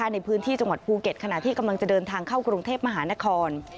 ในพื้นที่จังหวัดภูเก็ตขณะที่กำลังจะเดินทางเข้ากรุงเทพมหานคร